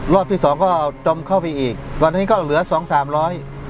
รอบที่สองก็จมเข้าไปอีกตอนนี้ก็เหลือสองสามร้อย